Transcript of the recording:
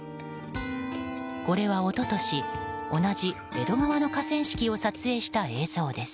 これは一昨年、同じ江戸川の河川敷を撮影した映像です。